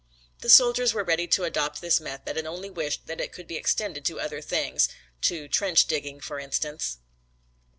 The soldiers were ready to adopt this method and only wished that it could be extended to other things. To trench digging for instance.